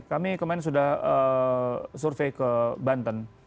kami kemarin sudah survei ke banten